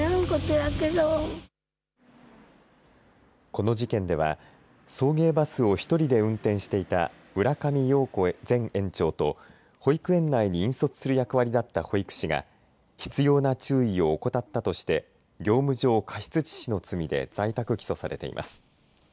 この事件では送迎バスを１人で運転していた浦上陽子前園長と保育園内に引率する役割だった保育士が必要な注意を怠ったとして業務上過失致死の罪で在宅起訴されています。